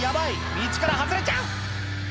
道から外れちゃう！